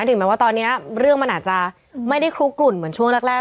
ถึงแม้ว่าตอนนี้เรื่องมันอาจจะไม่ได้คลุกกลุ่นเหมือนช่วงแรก